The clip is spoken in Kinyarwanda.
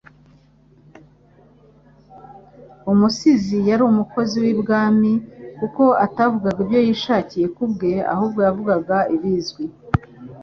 Umusizi yari umukozi w'i Bwami kuko atavugaga ibyo yishakiye ku bwe ,ahubwo yavugaga ibizwi